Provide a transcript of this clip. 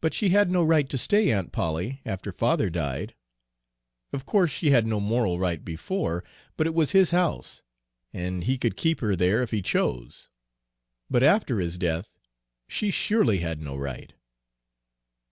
"But she had no right to stay, Aunt Polly, after father died. Of course she had no moral right before, but it was his house, and he could keep her there if he chose. But after his death she surely had no right."